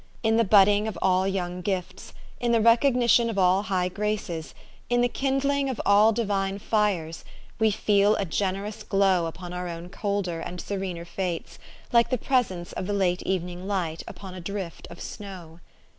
In the budding of all young gifts, in the recognition of all high graces, in the kindling of all divine fires, we feel a generous glow upon our own colder and serener fates, like the presence of the late evening light upon a drift of snow.